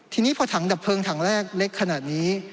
ทีนี้พอถังดับเพลิงถังแรกเล็กขนาดนี้